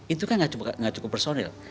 itu kan nggak cukup personil